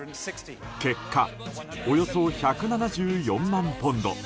結果、およそ１７４万ポンド。